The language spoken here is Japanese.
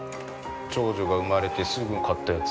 長女が産まれてすぐ買ったやつ。